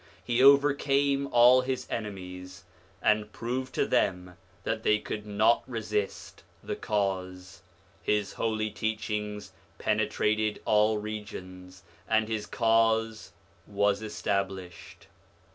He over came all his enemies, and proved to them that they could not resist the Cause. His holy teachings pene trated all regions, and his Cause was established.